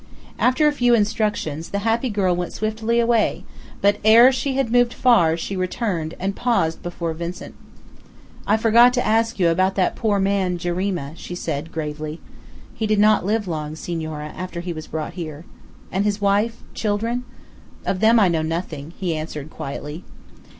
After a few instructions, the happy girl went swiftly away, but ere she had moved far, she returned, and paused before Vincent. "I forgot to ask you about that poor man, Jarima," she said, gravely. "He did not live long, senora, after he was brought here." "And his wife children?" "Of them I know nothing," he answered quietly.